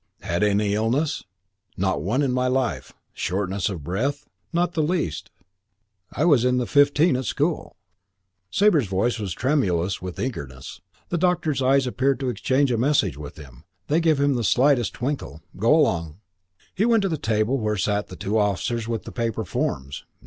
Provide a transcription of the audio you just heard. "Had any illnesses?" "Not one in my life." "Shortness of breath?" "Not the least. I was in the XV at school." Sabre's voice was tremulous with eagerness. The doctor's eyes appeared to exchange a message with him. They gave the slightest twinkle. "Go along." He went to the table where sat the two officers with the paper forms.